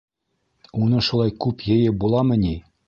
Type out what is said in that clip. Уны шулай... күп йыйып буламы ни?